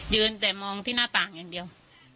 แต่มองที่หน้าต่างอย่างเดียว